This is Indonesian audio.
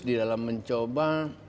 di dalam mencoba